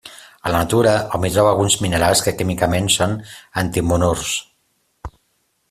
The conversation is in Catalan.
A la natura hom hi troba alguns minerals que químicament són antimonurs.